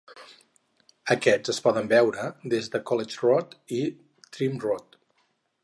Aquests es poden veure des de College Road i Trym Road.